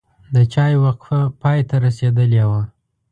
د چای وقفه پای ته رسیدلې وه.